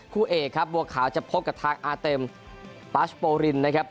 คู่เอกครับบัวขาวจะพบกับทางอาเต็มปาชโปรินนะครับ